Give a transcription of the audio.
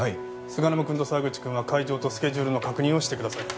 菅沼くんと沢口くんは会場とスケジュールの確認をしてください。